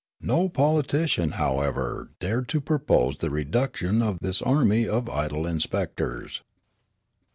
No politician, however, dared to propose the reduction of this army of idle inspectors.